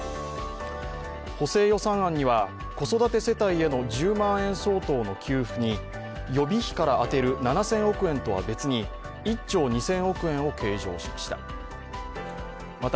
補正予算案には子育て世帯への１０万円相当の給付に予備費から充てる７０００億円とは別に１兆２０００億円を計上しました。